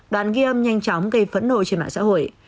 đoàn ghi âm nhanh chóng gây phẫn nội trên mạng xã hội